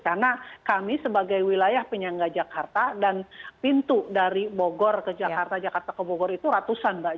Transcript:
karena kami sebagai wilayah penyangga jakarta dan pintu dari bogor ke jakarta jakarta ke bogor itu ratusan mbak